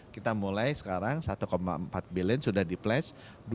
kita mulai sekarang satu empat billion sudah diplas